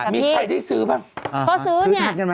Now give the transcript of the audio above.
๔๐บาทมีใครที่ซื้อบ้าง